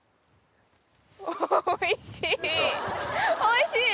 おいしい！